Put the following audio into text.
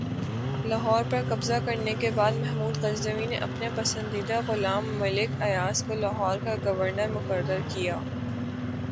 لاہور پر قبضہ کرنے کے بعد محمود غزنوی نے اپنے پسندیدہ غلام ملک ایاز کو لاہور کا گورنر مقرر کیا